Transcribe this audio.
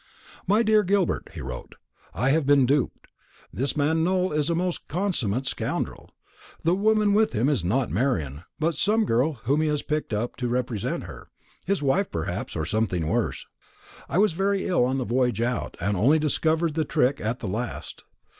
"My dear Gilbert," he wrote, "I have been duped. This man Nowell is a most consummate scoundrel. The woman with him is not Marian, but some girl whom he has picked up to represent her his wife perhaps, or something worse. I was very ill on the passage out, and only discovered the trick at the last.